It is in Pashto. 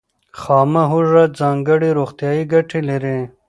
خامه هوږه ځانګړې روغتیایي ګټې لري.